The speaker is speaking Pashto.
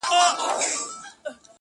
تش په نام اسلام اباده سې برباده.